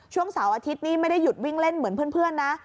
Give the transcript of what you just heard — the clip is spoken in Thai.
เสาร์อาทิตย์นี่ไม่ได้หยุดวิ่งเล่นเหมือนเพื่อนนะ